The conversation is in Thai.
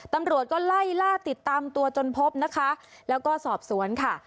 ตำรวจก็ไล่ล่าติดตามตัวจนพบนะคะแล้วก็สอบสวนค่ะ